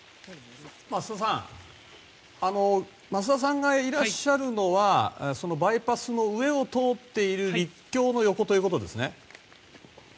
増田さん増田さんがいらっしゃるのはバイパスの上を通っている陸橋の横ということですね。